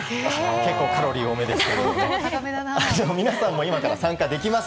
結構カロリー多めですね。